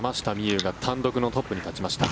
有が単独のトップに立ちました。